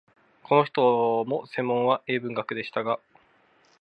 この人も専門は英文学でしたが、